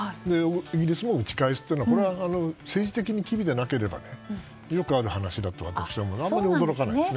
イギリスも打ち返すっていうのはこれは政治的に意味がなければよくある話だと私は思います。